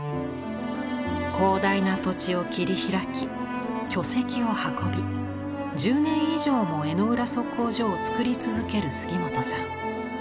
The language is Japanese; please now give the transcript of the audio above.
広大な土地を切り開き巨石を運び１０年以上も江之浦測候所を作り続ける杉本さん。